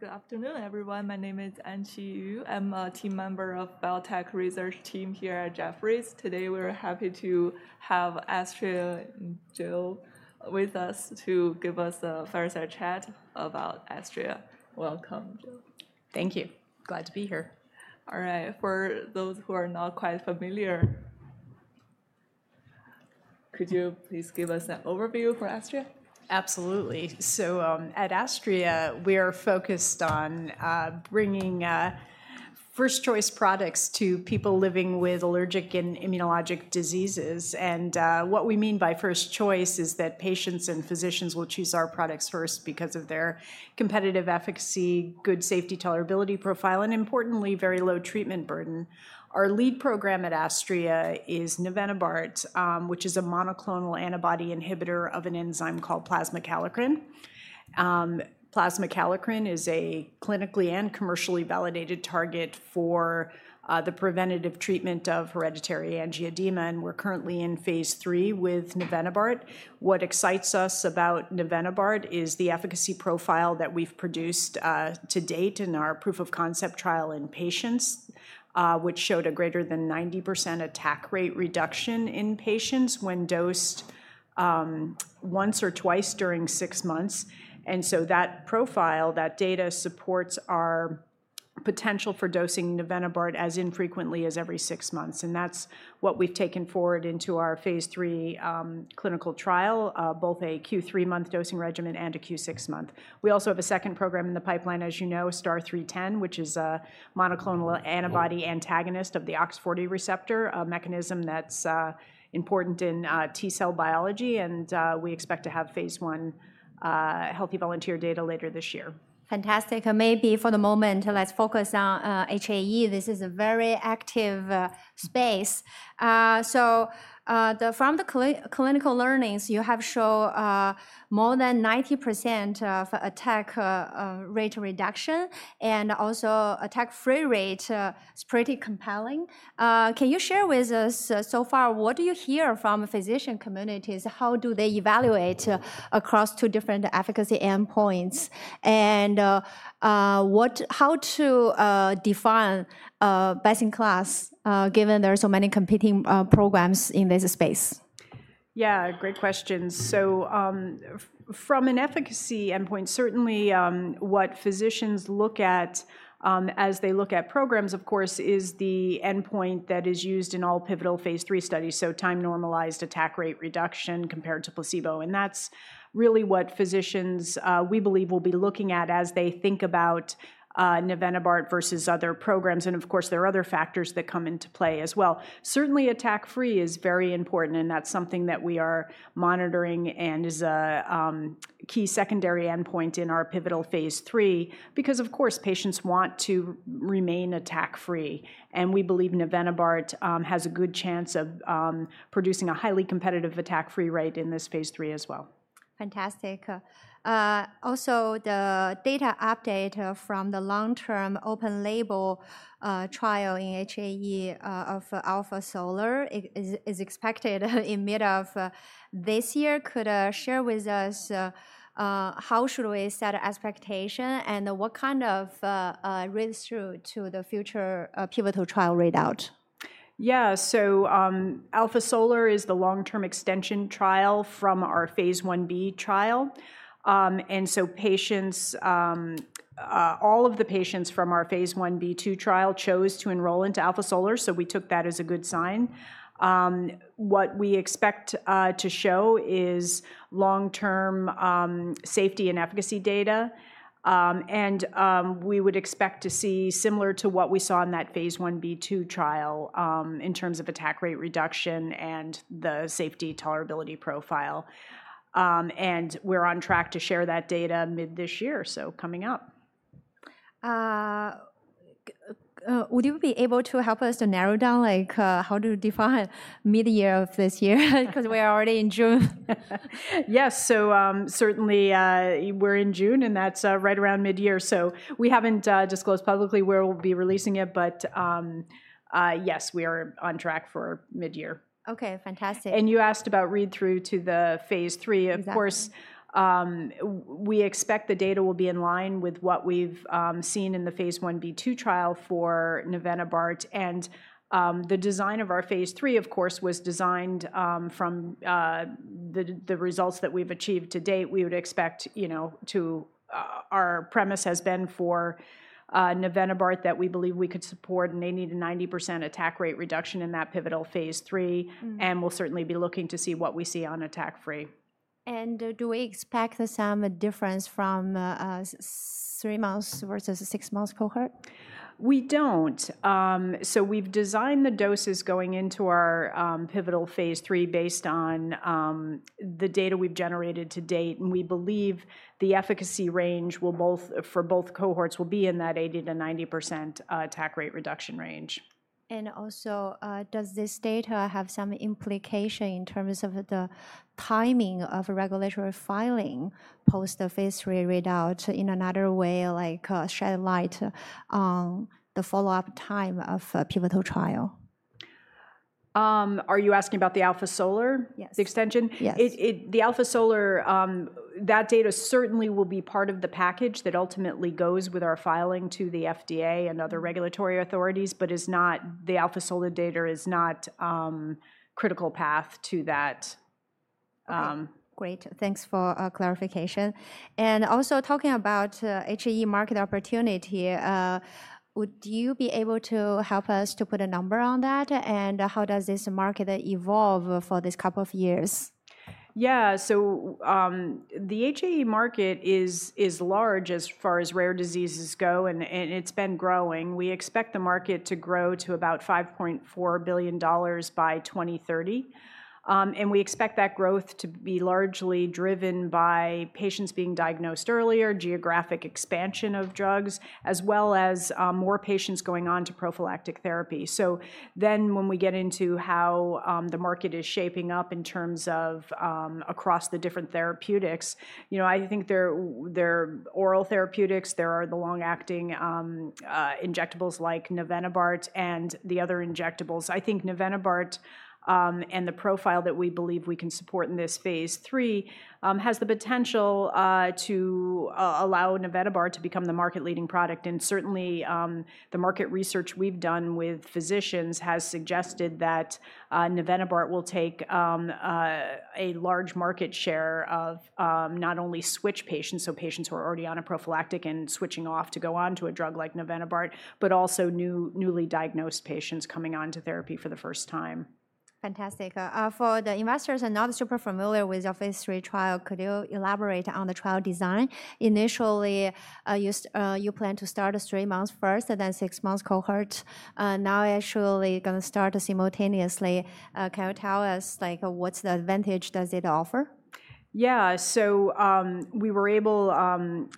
Good afternoon, everyone. My name is Anqi Yu. I'm a team member of the Biotech Research Team here at Jefferies. Today, we're happy to have Astria and Jill with us to give us a first chat about Astria. Welcome, Jill. Thank you. Glad to be here. All right. For those who are not quite familiar, could you please give us an overview for Astria? Absolutely. At Astria, we are focused on bringing first-choice products to people living with allergic and immunologic diseases. What we mean by first choice is that patients and physicians will choose our products first because of their competitive efficacy, good safety tolerability profile, and importantly, very low treatment burden. Our lead program at Astria is navenibart, which is a monoclonal antibody inhibitor of an enzyme called plasma kallikrein. Plasma kallikrein is a clinically and commercially validated target for the preventative treatment of hereditary angioedema, and we're currently in phase III with navenibart. What excites us about navenibart is the efficacy profile that we've produced to date in our proof-of-concept trial in patients, which showed a greater than 90% attack rate reduction in patients when dosed once or twice during six months. That profile, that data supports our potential for dosing navenibart as infrequently as every six months. That's what we've taken forward into our phase III clinical trial, both a Q3-month dosing regimen and a Q6-month. We also have a second program in the pipeline, as you know, STAR-0310, which is a monoclonal antibody antagonist of the OX40 receptor, a mechanism that's important in T cell biology. We expect to have phase I healthy volunteer data later this year. Fantastic. Maybe for the moment, let's focus on HAE. This is a very active space. From the clinical learnings, you have shown more than 90% of attack rate reduction, and also attack free rate is pretty compelling. Can you share with us so far, what do you hear from physician communities? How do they evaluate across two different efficacy endpoints? How to define best-in-class, given there are so many competing programs in this space? Yeah, great questions. From an efficacy endpoint, certainly what physicians look at as they look at programs, of course, is the endpoint that is used in all pivotal phase III studies, so time normalized attack rate reduction compared to placebo. That is really what physicians we believe will be looking at as they think about navenibart versus other programs. Of course, there are other factors that come into play as well. Certainly, attack free is very important, and that is something that we are monitoring and is a key secondary endpoint in our pivotal phase III, because, of course, patients want to remain attack free. We believe navenibart has a good chance of producing a highly competitive attack free rate in this phase III as well. Fantastic. Also, the data update from the long-term open-label trial in HAE of ALPHA-SOLAR is expected in mid of this year. Could you share with us how should we set expectations and what kind of read-through to the future pivotal trial readout? Yeah, ALPHA-SOLAR is the long-term extension trial from our phase I-B trial. All of the patients from our phase I-B/II trial chose to enroll into ALPHA-SOLAR, so we took that as a good sign. What we expect to show is long-term safety and efficacy data. We would expect to see similar to what we saw in that phase I-B/II trial in terms of attack rate reduction and the safety tolerability profile. We're on track to share that data mid this year, coming up. Would you be able to help us to narrow down how to define mid year of this year? Because we are already in June. Yes, so certainly we're in June, and that's right around mid year. We haven't disclosed publicly where we'll be releasing it, but yes, we are on track for mid year. Okay, fantastic. You asked about read-through to the phase III. Of course, we expect the data will be in line with what we've seen in the phase I-B/II trial for navenibart. The design of our phase III, of course, was designed from the results that we've achieved to date. We would expect our premise has been for navenibart that we believe we could support an 80%-90% attack rate reduction in that pivotal phase III. We'll certainly be looking to see what we see on attack free. Do we expect the same difference from three months versus a six months cohort? We don't. We have designed the doses going into our pivotal phase III based on the data we have generated to date. We believe the efficacy range for both cohorts will be in that 80%-90% attack rate reduction range. Does this data have some implication in terms of the timing of regulatory filing post the phase III readout, in another way, like shed light on the follow-up time of pivotal trial? Are you asking about the ALPHA-SOLAR extension? Yes. The ALPHA-SOLAR, that data certainly will be part of the package that ultimately goes with our filing to the FDA and other regulatory authorities, but the ALPHA-SOLAR data is not critical path to that. Great. Thanks for clarification. Also, talking about HAE market opportunity, would you be able to help us to put a number on that? How does this market evolve for this couple of years? Yeah, so the HAE market is large as far as rare diseases go, and it's been growing. We expect the market to grow to about $5.4 billion by 2030. We expect that growth to be largely driven by patients being diagnosed earlier, geographic expansion of drugs, as well as more patients going on to prophylactic therapy. When we get into how the market is shaping up in terms of across the different therapeutics, I think there are oral therapeutics, there are the long-acting injectables like navenibart, and the other injectables. I think navenibart and the profile that we believe we can support in this phase III has the potential to allow navenibart to become the market-leading product. Certainly, the market research we've done with physicians has suggested that navenibart will take a large market share of not only switch patients, so patients who are already on a prophylactic and switching off to go on to a drug like navenibart, but also newly diagnosed patients coming on to therapy for the first time. Fantastic. For the investors who are not super familiar with your phase III trial, could you elaborate on the trial design? Initially, you plan to start a three-month first, and then six-month cohort. Now, actually, you're going to start simultaneously. Can you tell us what's the advantage that it offers? Yeah, so we were able to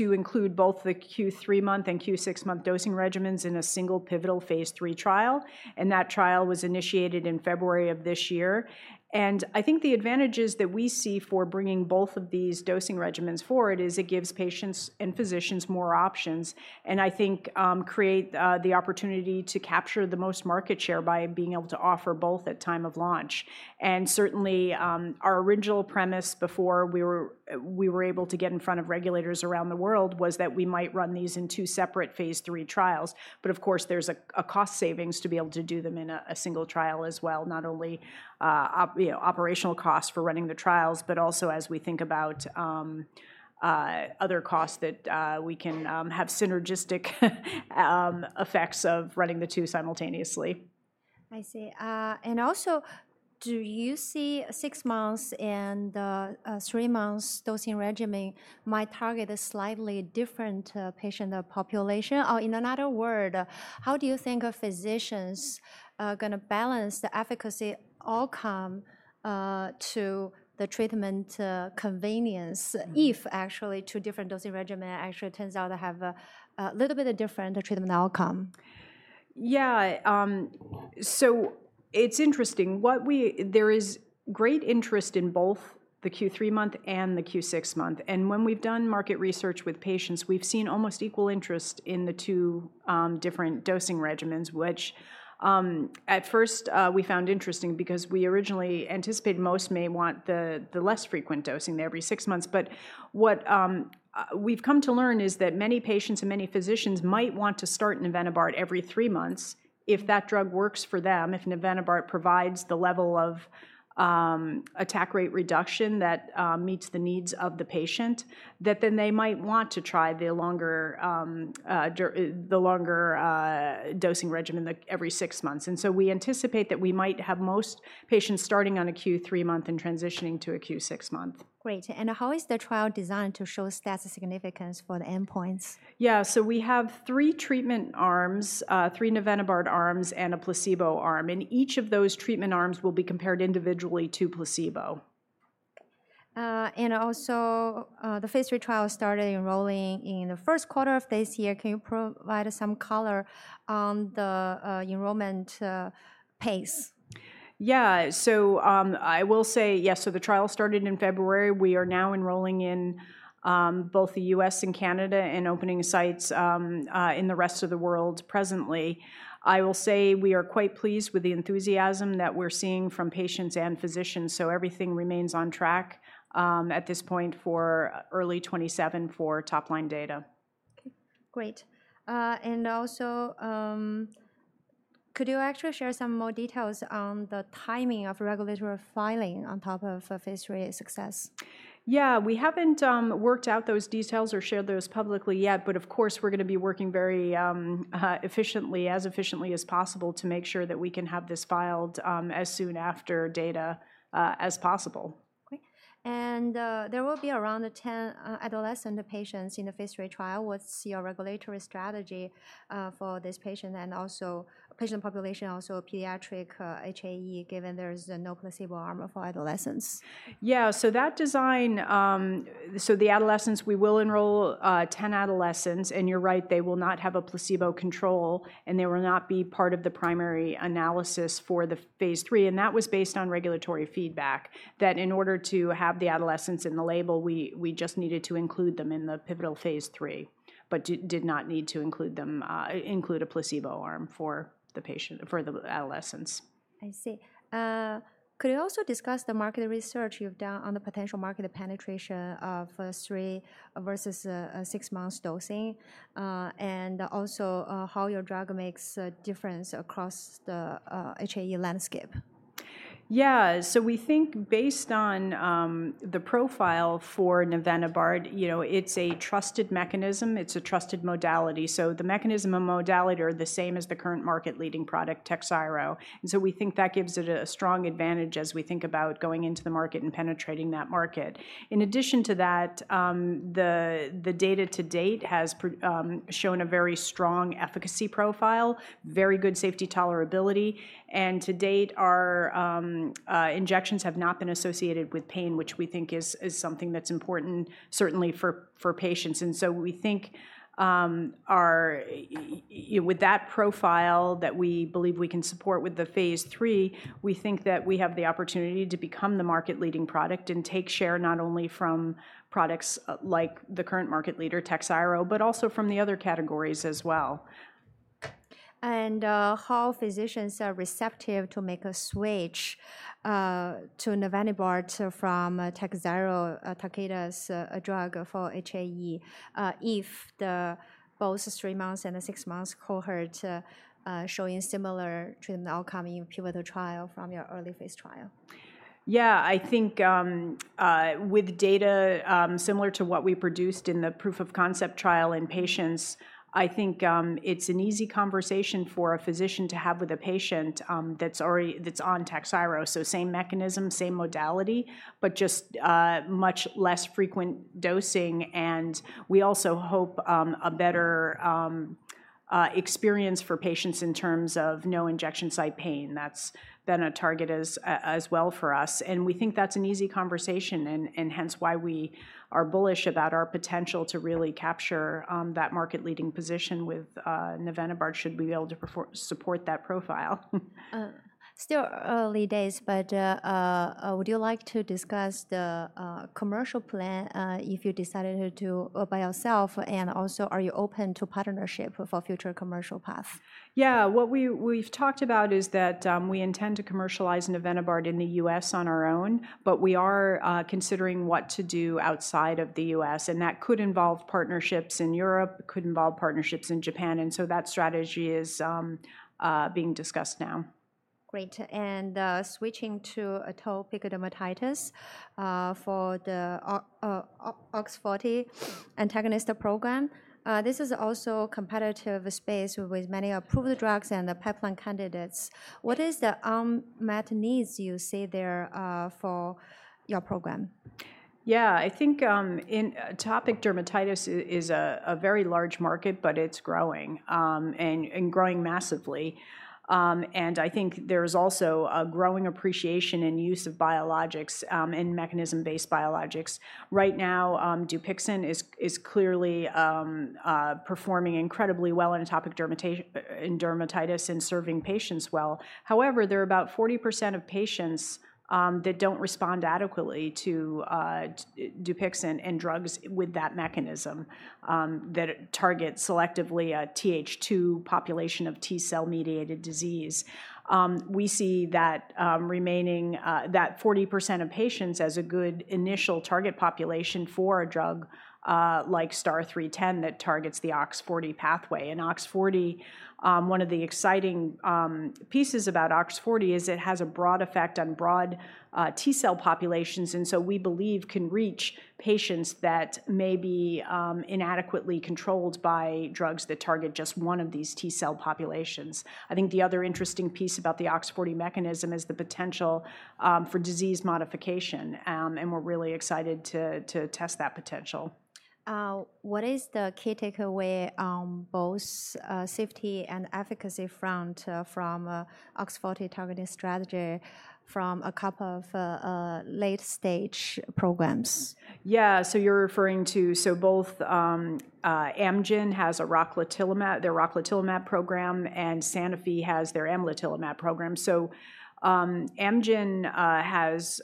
include both the Q3-month and Q6-month dosing regimens in a single pivotal phase III trial. That trial was initiated in February of this year. I think the advantages that we see for bringing both of these dosing regimens forward is it gives patients and physicians more options, and I think creates the opportunity to capture the most market share by being able to offer both at time of launch. Certainly, our original premise before we were able to get in front of regulators around the world was that we might run these in two separate phase III trials. Of course, there's a cost savings to be able to do them in a single trial as well, not only operational costs for running the trials, but also as we think about other costs that we can have synergistic effects of running the two simultaneously. I see. Also, do you see six months and three months dosing regimen might target a slightly different patient population? In another word, how do you think physicians are going to balance the efficacy outcome to the treatment convenience if actually two different dosing regimens actually turn out to have a little bit different treatment outcome? Yeah, so it's interesting. There is great interest in both the Q3-month and the Q6-month. When we've done market research with patients, we've seen almost equal interest in the two different dosing regimens, which at first we found interesting because we originally anticipated most may want the less frequent dosing every six months. What we've come to learn is that many patients and many physicians might want to start navenibart every three months if that drug works for them, if navenibart provides the level of attack rate reduction that meets the needs of the patient, that then they might want to try the longer dosing regimen every six months. We anticipate that we might have most patients starting on a Q3-month and transitioning to a Q6-month. Great. How is the trial designed to show statistical significance for the endpoints? Yeah, so we have three treatment arms, three navenibart arms and a placebo arm. Each of those treatment arms will be compared individually to placebo. Also, the phase III trial started enrolling in the first quarter of this year. Can you provide some color on the enrollment pace? Yeah, so I will say, yes, so the trial started in February. We are now enrolling in both the U.S. and Canada and opening sites in the rest of the world presently. I will say we are quite pleased with the enthusiasm that we're seeing from patients and physicians. Everything remains on track at this point for early 2027 for top-line data. Great. Could you actually share some more details on the timing of regulatory filing on top of phase III success? Yeah, we haven't worked out those details or shared those publicly yet, but of course, we're going to be working very efficiently, as efficiently as possible to make sure that we can have this filed as soon after data as possible. There will be around 10 adolescent patients in the phase III trial. What's your regulatory strategy for this patient and also patient population, also pediatric HAE, given there is no placebo arm for adolescents? Yeah, so that design, so the adolescents, we will enroll 10 adolescents. You're right, they will not have a placebo control, and they will not be part of the primary analysis for the phase III. That was based on regulatory feedback that in order to have the adolescents in the label, we just needed to include them in the pivotal phase, but did not need to include a placebo arm for the adolescents. I see. Could you also discuss the market research you've done on the potential market penetration of three versus six-month dosing and also how your drug makes a difference across the HAE landscape? Yeah, so we think based on the profile for navenibart, it's a trusted mechanism. It's a trusted modality. So the mechanism and modality are the same as the current market-leading product, TAKHZYRO. We think that gives it a strong advantage as we think about going into the market and penetrating that market. In addition to that, the data to date has shown a very strong efficacy profile, very good safety tolerability. To date, our injections have not been associated with pain, which we think is something that's important certainly for patients. We think with that profile that we believe we can support with the phase III, we think that we have the opportunity to become the market-leading product and take share not only from products like the current market leader, TAKHZYRO, but also from the other categories as well. How physicians are receptive to make a switch to navenibart from TAKHZYRO, Takeda's drug for HAE, if both three-month and six-month cohort showing similar treatment outcome in pivotal trial from your early phase trial? Yeah, I think with data similar to what we produced in the proof of concept trial in patients, I think it's an easy conversation for a physician to have with a patient that's on TAKHZYRO. Same mechanism, same modality, but just much less frequent dosing. We also hope a better experience for patients in terms of no injection site pain. That's been a target as well for us. We think that's an easy conversation, and hence why we are bullish about our potential to really capture that market-leading position with navenibart should we be able to support that profile. Still early days, but would you like to discuss the commercial plan if you decided to by yourself? Also, are you open to partnership for future commercial path? Yeah, what we've talked about is that we intend to commercialize navenibart in the U.S. on our own, but we are considering what to do outside of the U.S. That could involve partnerships in Europe, could involve partnerships in Japan. That strategy is being discussed now. Great. Switching to atopic dermatitis for the OX40 antagonist program, this is also a competitive space with many approved drugs and pipeline candidates. What is the unmet needs you see there for your program? Yeah, I think atopic dermatitis is a very large market, but it's growing and growing massively. I think there's also a growing appreciation and use of biologics and mechanism-based biologics. Right now, DUPIXENT is clearly performing incredibly well in atopic dermatitis and serving patients well. However, there are about 40% of patients that don't respond adequately to DUPIXENT and drugs with that mechanism that target selectively a Th2 population of T-cell mediated disease. We see that remaining 40% of patients as a good initial target population for a drug like STAR-0310 that targets the OX40 pathway. OX40, one of the exciting pieces about OX40 is it has a broad effect on broad T-cell populations. We believe it can reach patients that may be inadequately controlled by drugs that target just one of these T-cell populations. I think the other interesting piece about the OX40 mechanism is the potential for disease modification. We're really excited to test that potential. What is the key takeaway on both safety and efficacy front from OX40 targeting strategy from a couple of late-stage programs? Yeah, so you're referring to so both Amgen has their rocatinlimab program, and Sanofi has their amlitelimab program. Amgen has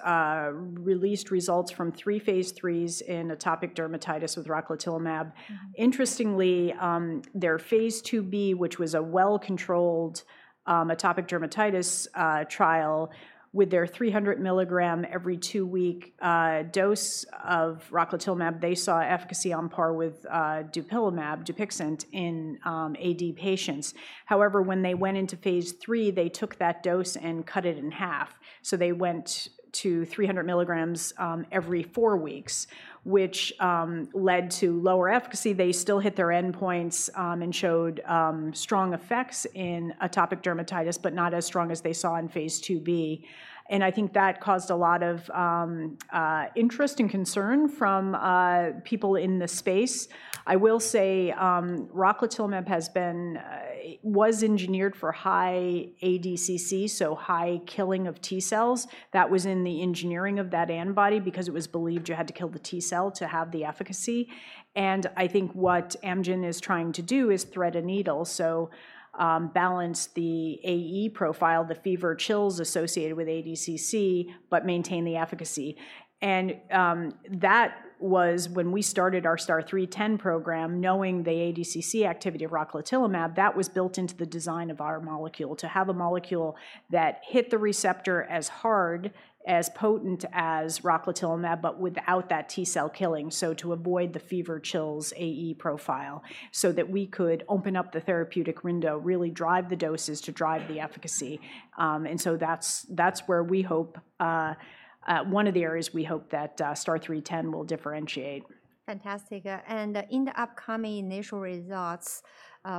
released results from three phase IIIs in atopic dermatitis with rocatinlimab. Interestingly, their phase II-B, which was a well-controlled atopic dermatitis trial with their 300 mg every two-week dose of rocatinlimab, they saw efficacy on par with DUPIXENT in AD patients. However, when they went into phase III, they took that dose and cut it in half. They went to 300 mg every four weeks, which led to lower efficacy. They still hit their endpoints and showed strong effects in atopic dermatitis, but not as strong as they saw in phase II-B. I think that caused a lot of interest and concern from people in the space. I will say rocatinlimab was engineered for high ADCC, so high killing of T cells. That was in the engineering of that antibody because it was believed you had to kill the T cell to have the efficacy. I think what Amgen is trying to do is thread a needle, so balance the AE profile, the fever chills associated with ADCC, but maintain the efficacy. That was when we started our STAR-0310 program, knowing the ADCC activity of rocatinlimab. That was built into the design of our molecule to have a molecule that hit the receptor as hard, as potent as rocatinlimab, but without that T cell killing, to avoid the fever chills AE profile so that we could open up the therapeutic window, really drive the doses to drive the efficacy. That is where we hope one of the areas we hope that STAR-0310 will differentiate. Fantastic. In the upcoming initial results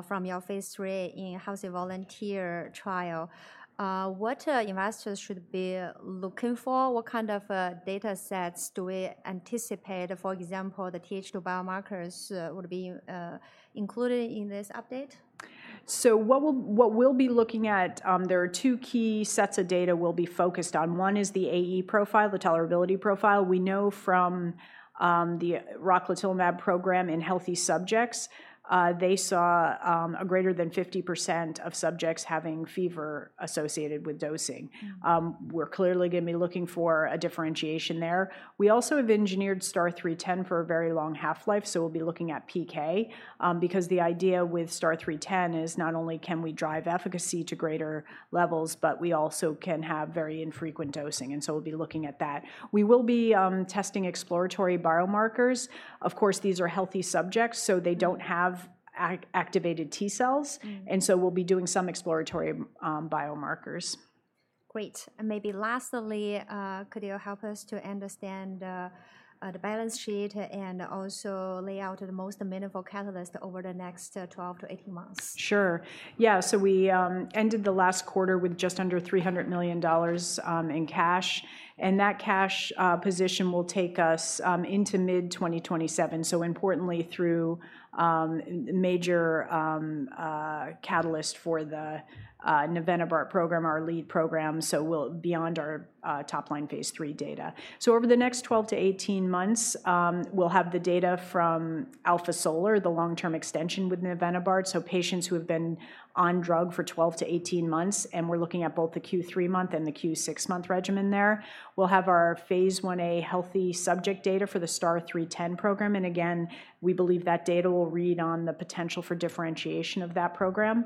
from your phase III in-house volunteer trial, what should investors be looking for? What kind of data sets do we anticipate? For example, will the Th2 biomarkers be included in this update? What we'll be looking at, there are two key sets of data we'll be focused on. One is the AE profile, the tolerability profile. We know from the rocatinlimab program in healthy subjects, they saw greater than 50% of subjects having fever associated with dosing. We're clearly going to be looking for a differentiation there. We also have engineered STAR-0310 for a very long half-life, so we'll be looking at PK because the idea with STAR-0310 is not only can we drive efficacy to greater levels, but we also can have very infrequent dosing. We'll be looking at that. We will be testing exploratory biomarkers. Of course, these are healthy subjects, so they do not have activated T cells. We'll be doing some exploratory biomarkers. Great. Maybe lastly, could you help us to understand the balance sheet and also lay out the most meaningful catalyst over the next 12 months-18 months? Sure. Yeah, we ended the last quarter with just under $300 million in cash. That cash position will take us into mid-2027. Importantly, through major catalyst for the navenibart program, our lead program, beyond our top-line phase III data. Over the next 12 months-18 months, we'll have the data from ALPHA-SOLAR, the long-term extension with navenibart, so patients who have been on drug for 12 months-18 months. We're looking at both the Q3 month and the Q6 month regimen there. We'll have our phase I-A healthy subject data for the STAR-0310 program. Again, we believe that data will read on the potential for differentiation of that program.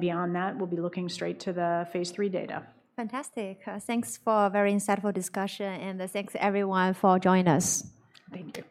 Beyond that, we'll be looking straight to the phase III data. Fantastic. Thanks for a very insightful discussion. Thanks everyone for joining us. Thank you.